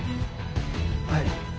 はい。